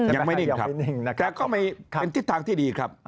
ยังไม่นิ่งครับแต่ก็เป็นทิศทางที่ดีครับ